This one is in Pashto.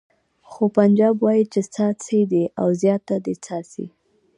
خو پنجاب وایي چې څاڅي دې او زیاته دې څاڅي.